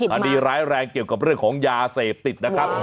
อันนี้ร้ายแรงเกี่ยวกับเรื่องของยาเสพติดนะครับ